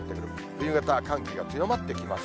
冬型、寒気が強まってきます。